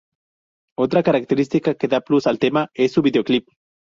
Otra característica que da un plus al tema es su videoclip.